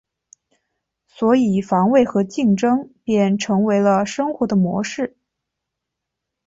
所以防卫和竞争便成为了生活的模式。